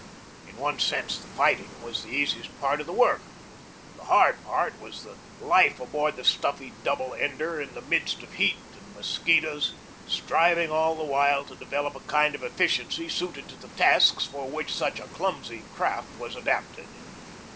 In one sense the fighting was the easiest part of the work. The hard part was the life aboard the stuffy double ender in the midst of heat and mos quitoes, striving all the while to develop a kind of efficiency suited to the tasks for which such a clumsy craft was adapted.